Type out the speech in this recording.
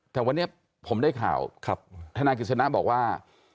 แต่วันนี้ผมได้ข่าวธนายกิจสนะบอกว่า